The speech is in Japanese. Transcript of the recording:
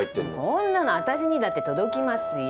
こんなの私にだって届きますよ。